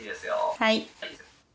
はい。